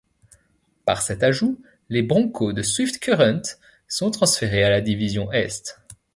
Par cet ajout, les Broncos de Swift Current sont transférés à la division Est.